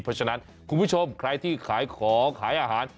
เพราะฉะนั้นคุณผู้ชมใครที่ขายของขายอาหาร